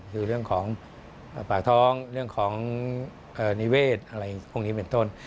คือเรื่องของปากท้องเรื่องของนิเวศอะไรพวกนี้เป็นต้น